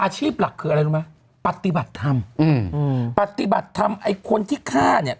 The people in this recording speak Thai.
อาชีพหลักคืออะไรรู้ไหมปฏิบัติธรรมอืมปฏิบัติธรรมไอ้คนที่ฆ่าเนี่ย